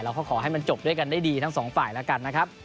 ขอให้มันจบด้วยกันได้ดีทั้งสองฝ่ายแล้วกันนะครับ